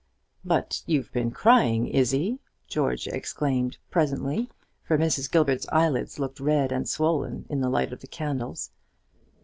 "But you've been crying, Izzie!" George exclaimed presently, for Mrs. Gilbert's eyelids looked red and swollen in the light of the candles.